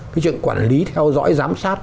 cái chuyện quản lý theo dõi giám sát